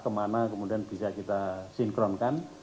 kemana kemudian bisa kita sinkronkan